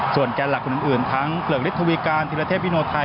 ส่วนแกนหลักคนอื่นทั้งเปลือกฤทธวีการธิรเทพวิโนไทย